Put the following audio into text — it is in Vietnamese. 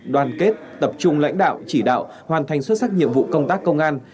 đoàn kết tập trung lãnh đạo chỉ đạo hoàn thành xuất sắc nhiệm vụ công tác công an